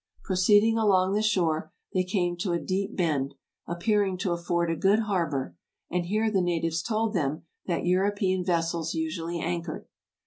'' Proceeding along the shore, they came to a deep bend, appearing to afford a good harbor, and here the natives told them that European vessels usually anchored.